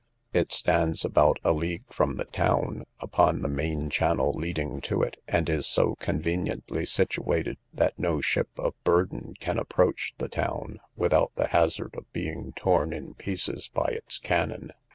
It stands about a league from the town, upon the main channel leading to it, and is so conveniently situated, that no ship of burden can approach the town, without the hazard of being torn in pieces by its cannon.